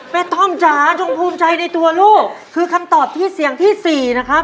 ต้อมจ๋าจงภูมิใจในตัวลูกคือคำตอบที่เสียงที่สี่นะครับ